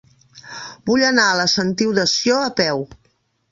Vull anar a la Sentiu de Sió a peu.